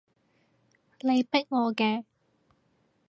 你逼我嘅